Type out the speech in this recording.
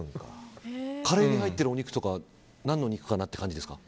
カレーに入ってるお肉とかは何の肉かなって感じですか？